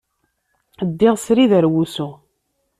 Ddiɣ srid ɣer wusu.